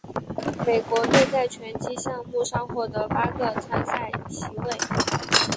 美国队在拳击项目上获得八个参赛席位。